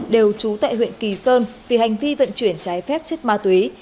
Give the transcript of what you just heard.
đều trú tại huyện kỳ sơn vì hành vi vận chuyển trái phép chất ma túy